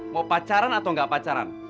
mau pacaran atau enggak pacaran